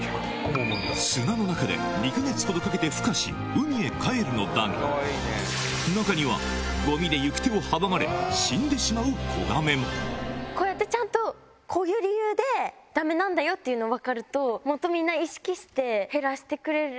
砂の中で２か月ほどかけてふ化し、海へ帰るのだが、中には、ごみで行く手を阻まれ、こうやってちゃんと、こういう理由でだめなんだよっていうの分かると、もっとみんな意識して減らしてくれる。